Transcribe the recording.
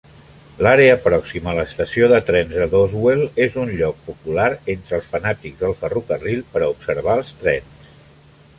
L'àrea pròxima a l'estació de trens de Doswell és un lloc popular entre els fanàtics del ferrocarril per a observar els trens.